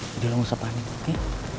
jadi lo gak usah panik oke